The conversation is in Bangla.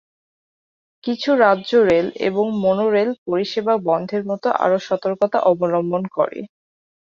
কিছু রাজ্য রেল এবং মনোরেল পরিষেবা বন্ধের মতো আরও সতর্কতা অবলম্বন করে।